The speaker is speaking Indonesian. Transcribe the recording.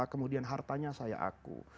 kemudian hartanya saya aku